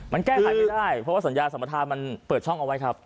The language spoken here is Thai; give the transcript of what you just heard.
มันแก้ไขไม่ได้เพราะว่าสัญญาสัมประธานมันเปิดช่องเอาไว้ครับ